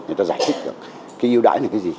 người ta giải thích được cái ưu đãi này cái gì